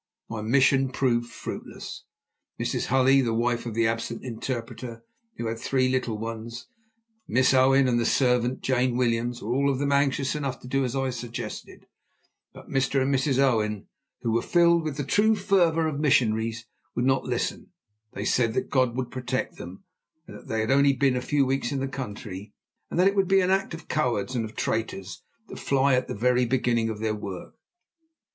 My mission proved fruitless. Mrs. Hulley, the wife of the absent interpreter, who had three little ones, Miss Owen and the servant, Jane Williams, were all of them anxious enough to do as I suggested. But Mr. and Mrs. Owen, who were filled with the true fervour of missionaries, would not listen. They said that God would protect them; that they had only been a few weeks in the country, and that it would be the act of cowards and of traitors to fly at the very beginning of their work.